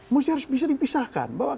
mesti bisa dipisahkan bahwa